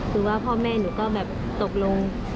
คือว่าพ่อแม่หนูก็แบบตกลง